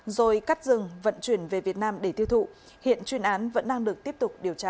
rồi cắt rừng vận chuyển về việt nam để tiêu thụ hiện chuyên án vẫn đang được tiếp tục điều tra